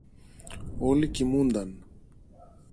Όλοι κοιμούνταν.